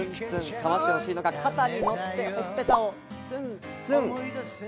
かまってほしいのか、肩に乗って、ほっぺたをツンツン。